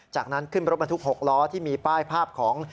จากนั้นขึ้นรถบรรทุก๖ล้อที่มีป้ายภาพของ